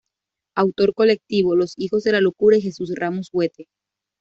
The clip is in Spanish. Autor colectivo: los hijos de la locura y Jesús Ramos Huete.